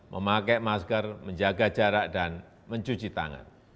memakai masker menjaga jarak dan mencuci tangan